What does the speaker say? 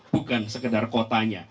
bukan sekedar kotanya